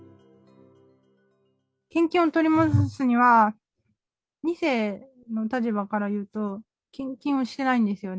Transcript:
献金を取り戻すには、２世の立場からいうと、献金をしてないんですよね。